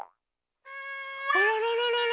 あららららら